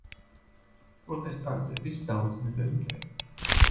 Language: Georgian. პროტესტანტების დაუძინებელი მტერი.